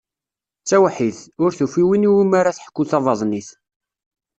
D tawḥidt, ur tufi win iwumi ara teḥku tabaḍnit.